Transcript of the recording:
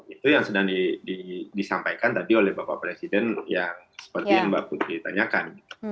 itu yang sedang disampaikan tadi oleh bapak presiden ya seperti yang mbak putri tanyakan